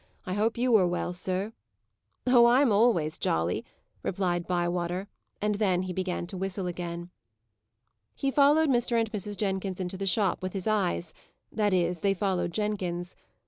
I hope you are well, sir." "Oh, I'm always jolly," replied Bywater, and then he began to whistle again. He followed Mr. and Mrs. Jenkins into the shop with his eyes; that is, they followed Jenkins.